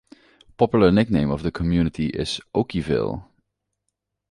Popular nickname of the community is Okieville.